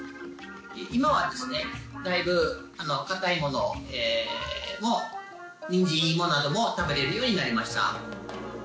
今はですねだいぶ硬いものもニンジンイモなども食べられるようになりました。